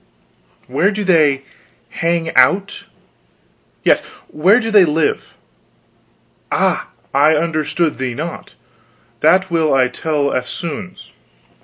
"Where do they hang out?" "Yes, where do they live?" "Ah, I understood thee not. That will I tell eftsoons."